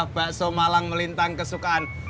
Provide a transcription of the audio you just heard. bakso malang melintang kesukaan